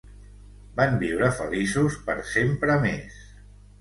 Van viure feliços per sempre més.